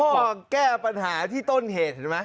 พ่อแก้ปัญหาที่ต้นเหตุ